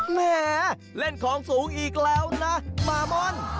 แหมเล่นของสูงอีกแล้วนะมาม่อน